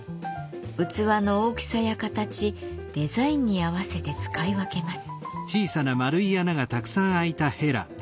器の大きさや形デザインに合わせて使い分けます。